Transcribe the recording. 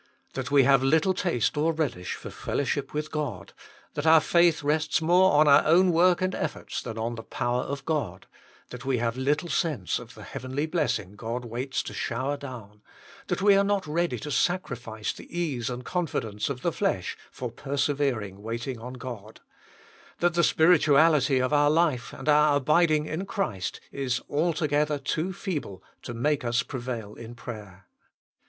That we have little taste or relish for fellowship with God; that our faith rests more on our own work and efforts than on the power of God ; that we have little sense of the heavenly blessing God waits to shower down ; that we are not ready to sacrifice the ease and confidence of the flesh for persevering waiting on God ; that the spirituality of our life, and our abiding in Christ, is altogether too feeble to make us prevail in prayer.